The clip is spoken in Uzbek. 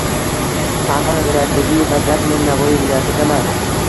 Farg'ona viloyatidagi vaziyat Men Navoiy viloyatidaman